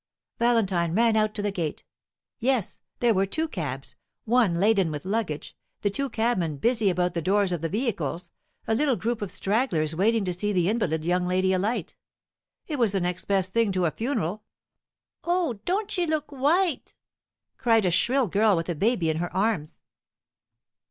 Valentine ran out to the gate. Yes; there were two cabs, one laden with luggage, the two cabmen busy about the doors of the vehicles, a little group of stragglers waiting to see the invalid young lady alight. It was the next best thing to a funeral. "O, don't she look white!" cried a shrill girl with a baby in her arms.